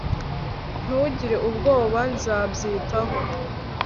Ntugire ubwoba Nzabyitaho